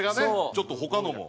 ちょっと他のも。